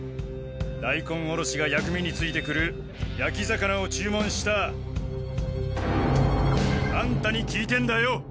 大根おろしが薬味に付いて来る焼き魚を注文したあんたに聞いてんだよ！